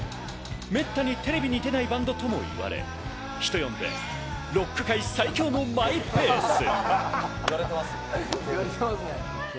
めったにテレビに出ないバンドともいわれ、人呼んで、ロック界最強のマイペース。